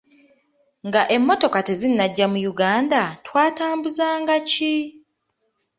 Nga emmotoka tezinnajja mu Uganda twatambuzanga ki?